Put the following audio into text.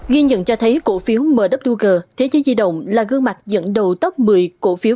ghi nhận cho thấy cổ phiếu mwg thế giới di động là gương mặt dẫn đầu tốc một mươi cổ phiếu